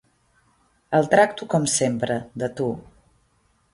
El tracto sempre de tu.